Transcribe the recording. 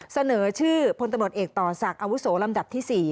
เสนอชื่อพลตำรวจเอกต่อศักดิ์อาวุโสลำดับที่๔